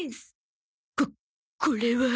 ここれは。